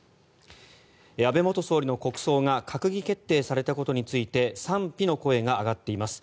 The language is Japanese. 安倍元総理の国葬が閣議決定されたことについて賛否の声が上がっています。